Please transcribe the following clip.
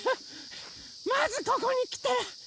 まずここにきて。